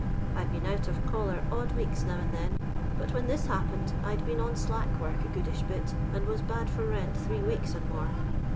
I've been out of collar odd weeks now and then, but when this happened, I'd been on slack work a. goodish bit, and was bad for rent three weeks and more.